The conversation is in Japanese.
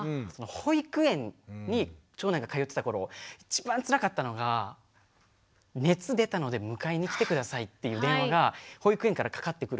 保育園に長男が通ってた頃一番つらかったのが「熱出たので迎えに来て下さい」っていう電話が保育園からかかってくる。